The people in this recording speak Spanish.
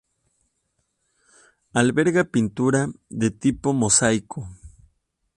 Alberga pintura de tipo mosaico.